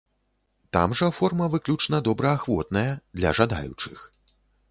Там жа форма выключна добраахвотная, для жадаючых.